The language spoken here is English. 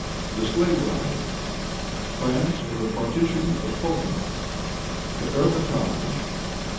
The Sleigh Ride. Plans for the Partition of Poland. The Hermitage.